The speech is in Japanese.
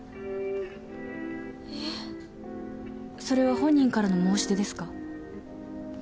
それは本人からの申し出ですか？